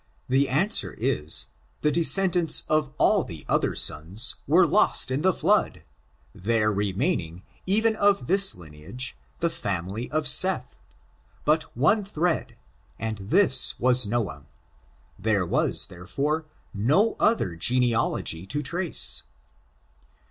The answer is, the descendants of all the other sons were lost in the flood, there remaining, 2ven of this lineage, the family of Seth, but one thread, and this was Noah; there was, therefore, no other genealogy to trace.